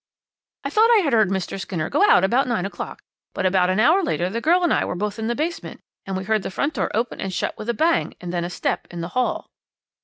'I thought I had heard Mr. Skinner go out about nine o'clock, but about an hour later the girl and I were both in the basement, and we heard the front door open and shut with a bang, and then a step in the hall.